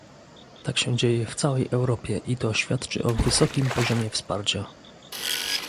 Tak dzieje się w całej Europie i to świadczy o wysokim poziomie wsparcia